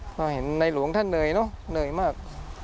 พอเห็นในหลวงท่านเหนื่อยเนอะเหนื่อยมาก